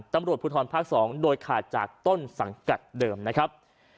ตำรวจภูทรภาค๒โดยขาดจากต้นสังกัดเดิมนะครับ